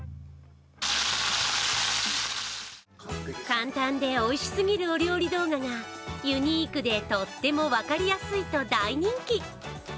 簡単でおいしすぎるお料理動画がユニークでとっても分かりやすいと大人気。